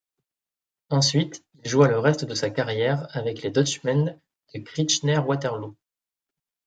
Ensuite, il joua le reste de sa carrière avec les Dutchmen de Kitchener-Waterloo.